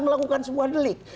melakukan sebuah delik